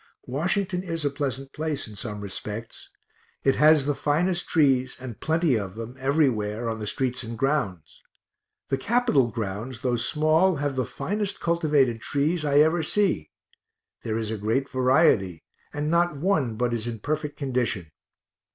Washington is a pleasant place in some respects it has the finest trees, and plenty of them everywhere, on the streets and grounds. The Capitol grounds, though small, have the finest cultivated trees I ever see there is a great variety, and not one but is in perfect condition.